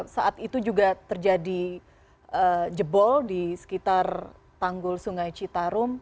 saat itu juga terjadi jebol di sekitar tanggul sungai citarum